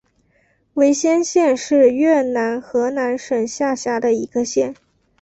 维先县是越南河南省下辖的一个县。